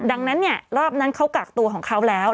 ดังนั้นเนี่ยรอบนั้นเขากักตัวของเขาแล้ว